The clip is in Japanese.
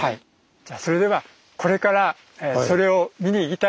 じゃあそれではこれからそれを見に行きたいと思います。